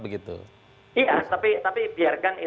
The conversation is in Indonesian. iya tapi biarkan